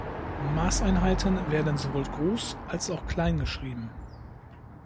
Maßeinheiten werden sowohl groß, als auch klein geschrieben.